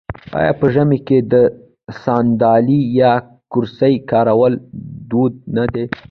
آیا په ژمي کې د ساندلۍ یا کرسۍ کارول دود نه دی؟